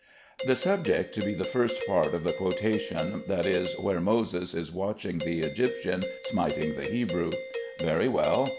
The subject to be the first part of the quotation, that is, where Moses is watching the Egyptian smiting the Hebrew. Very well.